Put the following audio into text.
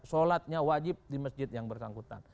sholatnya wajib di masjid yang bersangkutan